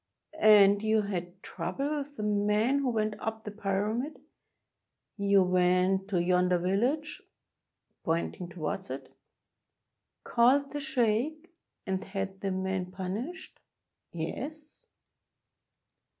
"And you had trouble with the men who went up the Pyramid? You went to yonder village [pointing towards it], called the sheikh, and had the men punished?" "Yes."